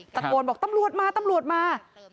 ตะโกนบอกตำรวจมามา